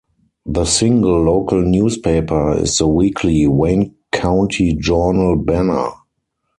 The single local newspaper is the weekly "Wayne County Journal Banner".